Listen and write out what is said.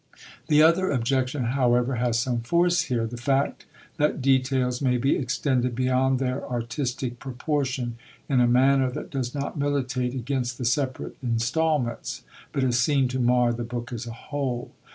The other objection, however, has some force here the fact that details may be extended beyond their artistic proportion, in a manner that does not militate against the separate instalments, but is seen to mar the book as a whole.